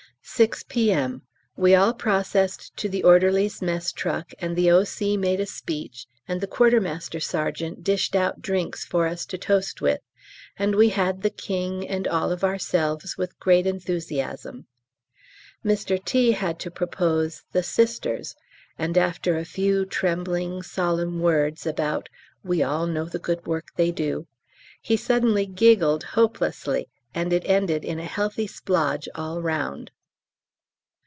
6 P.M. We all processed to the Orderlies' Mess truck and the O.C. made a speech, and the Q.M.S. dished out drinks for us to toast with, and we had the King and all of ourselves with great enthusiasm. Mr T. had to propose "The Sisters," and after a few trembling, solemn words about "we all know the good work they do," he suddenly giggled hopelessly, and it ended in a healthy splodge all round.